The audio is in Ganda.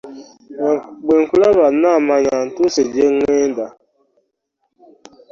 Lwe nkulaba namanya ntuuse gye ŋŋenda.